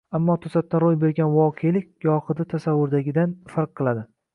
Ammo to‘satdan ro‘y bergan voqelik gohida tasavvurdagidan farq qiladi.